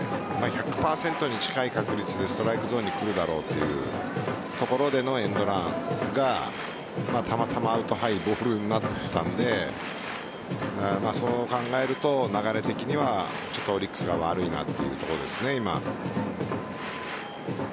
１００％に近い確率でストライクゾーンに来るだろうというところでのエンドランがたまたまアウトハイっぽくなったのでそう考えると流れ的にはちょっとオリックスが悪いなというところですね。